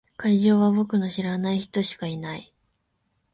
会場は僕の知らない人しかいない。